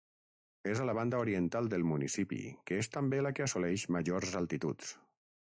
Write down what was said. És a la banda oriental del municipi que és també la que assoleix majors altituds.